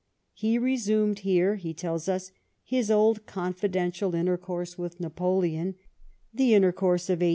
He resumed here, he tells us, his old confidential intercourse with Napoleon — the inter course of 1810.